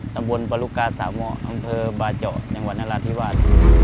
ตำบลปรุกาสามเหมาะอำเภอบาเจาะจังหวัดนราธิวาส